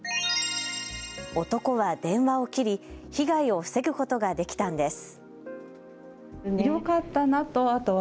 男は電話を切り被害を防ぐことができたんです。